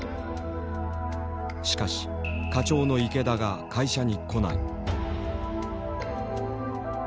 しかし課長の池田が会社に来ない。